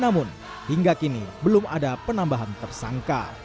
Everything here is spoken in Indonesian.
namun hingga kini belum ada penambahan tersangka